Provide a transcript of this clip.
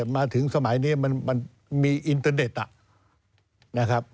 มาถึงสมัยนี้มันมีอินเตอร์เน็ตนะครับ